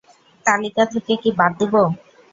তালিকা থেকে কী বাদ দিব?